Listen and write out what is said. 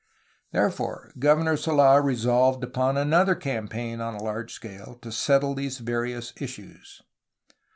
Therefore Governor Sol4 resolved upon another campaign on a large scale, to settle these various issues.